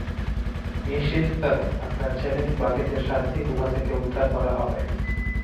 নিশ্চিন্তে থাকুন, আপনার ছেলেকে বাকিদের সাথেই গুহা থেকে উদ্ধার করা হবে।